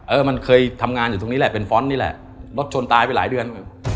เออมันเคยทำงานอยู่ตรงนี้แหละเป็นฟ้อนต์นี่แหละรถชนตายไปหลายเดือน